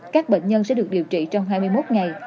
các bệnh nhân sẽ được điều trị trong hai mươi một ngày